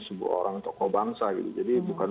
sebuah orang tokoh bangsa gitu jadi bukan